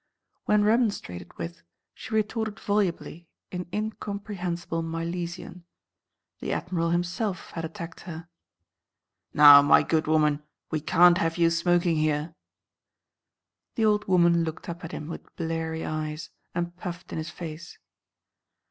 When remonstrated with, she retorted volubly in incomprehensible Milesian. The Admiral himself had attacked her. "Now, my good woman, we can't have you smoking here." The old woman looked up at him with bleary eyes, and puffed in his face.